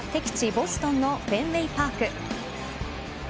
ボストンのフェンウェイパーク。